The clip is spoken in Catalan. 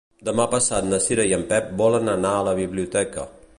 Demà passat na Cira i en Pep volen anar a la biblioteca.